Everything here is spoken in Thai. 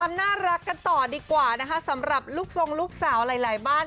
ความน่ารักกันต่อดีกว่านะคะสำหรับลูกทรงลูกสาวหลายหลายบ้าน